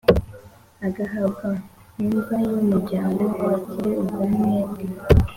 Agahambwa mu mva y umuryango w abakire ubwo ni bumwe